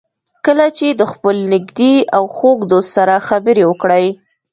کله چې د خپل نږدې او خوږ دوست سره خبرې وکړئ.